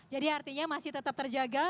jadi artinya masih tetap terjaga